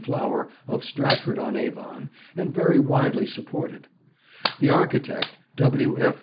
Flower of Stratford on Avon, and very widely supported. The architect, W. F.